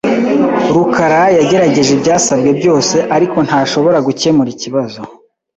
rukara yagerageje ibyasabwe byose, ariko ntashobora gukemura ikibazo .